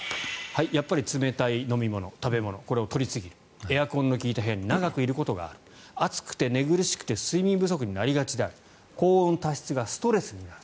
やっぱり冷たい飲み物、食べ物これを取りすぎるエアコンの利いた部屋に長くいることがある暑くて寝苦しくて睡眠不足になりがちである高温多湿がストレスになる